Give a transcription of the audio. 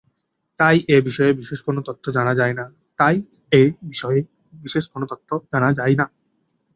তাই এ বিষয়ে বিশেষ কোন তথ্য জানা যায়না।